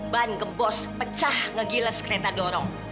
ban ke bos pecah ngegiles kereta dorong